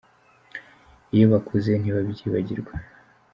Iyo bakuze ntibabyibagirwa.